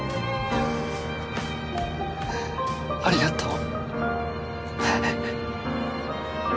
ありがとう。